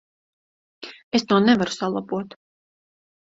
Es to nevaru salabot.